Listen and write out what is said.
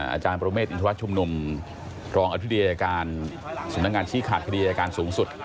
อาจารย์ปรมเมฆอินทรวจชุมนุมรองอธิฐริยาการสถานการณ์ชี้ขาดคดีอาจารย์สูงสุด